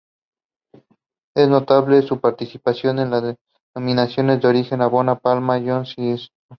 Es notable su participación en las denominaciones de origen Abona, La Palma e Ycoden-Daute-Isora.